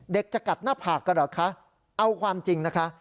จะกัดหน้าผากกันเหรอคะเอาความจริงนะคะ